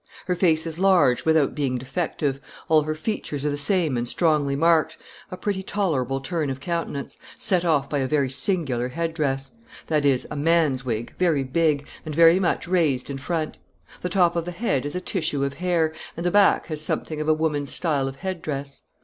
Her face is large without being defective, all her features are the same and strongly marked, a pretty tolerable turn of countenance, set off by a very singular head dress; that is, a man's wig, very big, and very much raised in front; the top of the head is a tissue of hair, and the back has something of a woman's style of head dress.